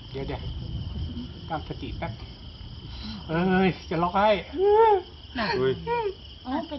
เดี๋ยวเดี๋ยวตามสติแป๊บเออจะหลอกให้อือโอ้ยเป็น